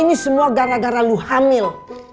ini semua gara gara lu hamil